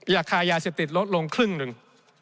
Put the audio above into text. ราคายาเสพติดลดลงครึ่งหนึ่ง